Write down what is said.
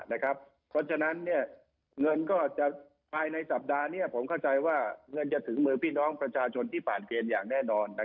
เพราะฉะนั้นเงินก็จะในสัปดาห์นี้เข้าบึงท้ายว่าจะถึงมือเขาพระชาชนที่ผ่านเกณฑ์อย่างแน่นอน